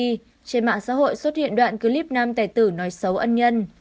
trên mạng xã hội xuất hiện đoạn clip nam tài tử nói xấu ân nhân